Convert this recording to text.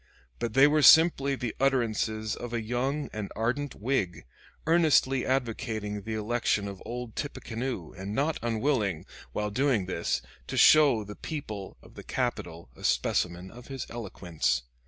But they were simply the utterances of a young and ardent Whig, earnestly advocating the election of "old Tippecanoe" and not unwilling, while doing this, to show the people of the capital a specimen of his eloquence.